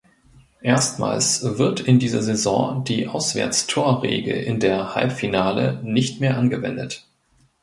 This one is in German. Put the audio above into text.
Erstmals wird ab dieser Saison die Auswärtstorregel in der Halbfinale nicht mehr angewendet.